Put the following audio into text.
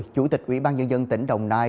chủ tịch ủy ban nhân dân tỉnh đồng nai